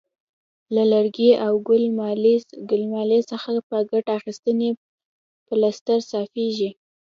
له لرګي او ګل مالې څخه په ګټه اخیستنې پلستر صافیږي.